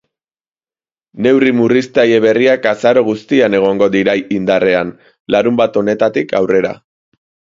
Neurri murriztaile berriak azaro guztian egongo dirai indarrean, larunbat honetatik aurrera.